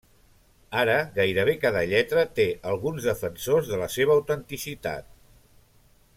Ara, gairebé cada lletra té alguns defensors de la seva autenticitat.